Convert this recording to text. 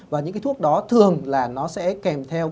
và những cái thuốc đó thường là nó sẽ kèm theo